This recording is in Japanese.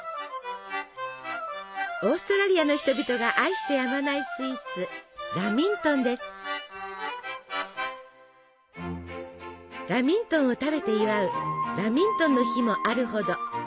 オーストラリアの人々が愛してやまないスイーツラミントンを食べて祝うラミントンの日もあるほど。